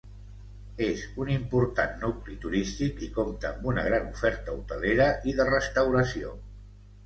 És un important nucli turístic i compta amb una gran oferta hotelera i de restauració.